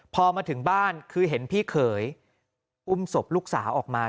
พอมาถึงบ้านคือเห็นพี่เขยอุ้มศพลูกสาวออกมา